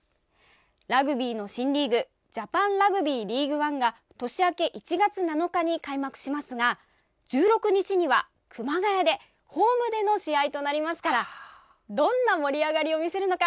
ラグビーの新リーグジャパンラグビーリーグワンが年明け１月７日に開幕しますが１６日には熊谷でホームでの試合となりますからどんな盛り上がりを見せるのか。